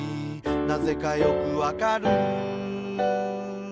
「なぜかよくわかる」